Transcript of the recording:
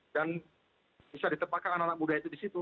dan bisa ditepakkan anak anak muda itu disitu